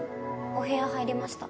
お部屋入りました。